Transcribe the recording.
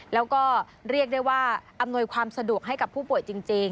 แล้วก็เรียกได้ว่าอำนวยความสะดวกให้กับผู้ป่วยจริง